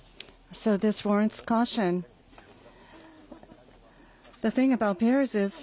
そうですね。